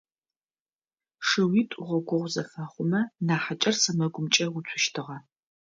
Шыуитӏу гъогогъу зэфэхъумэ, нахьыкӏэр сэмэгумкӏэ уцущтыгъэ.